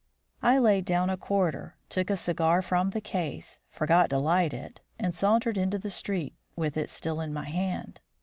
I laid down a quarter, took a cigar from the case, forgot to light it, and sauntered into the street with it still in my hand.